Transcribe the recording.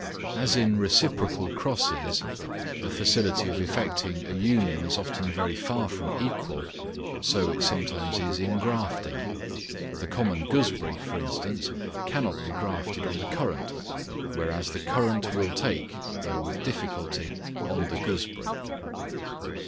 As in reciprocal crosses, the facility of effecting an union is often very far from equal, so it sometimes is in grafting. The common gooseberry, for instance, cannot be grafted on the currant, whereas the currant will take, though with difficulty, on the gooseberry.